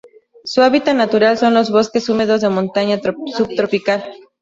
Su hábitat natural son los bosques húmedos de montaña subtropical.